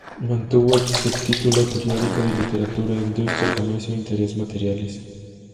Mantuvo el subtítulo "Periódico de literatura, industria, comercio e intereses materiales".